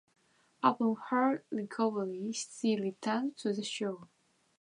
Upon her recovery she returned to the show.